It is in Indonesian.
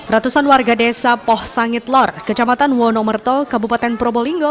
ratusan warga desa poh sangitlor kecamatan wonomerto kabupaten probolinggo